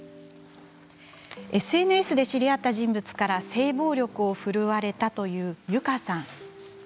ＳＮＳで知り合った人物から性暴力を振るわれたというゆかさん。